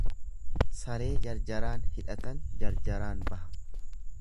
Saree jarjaraan hidhatan jarjaraan baha.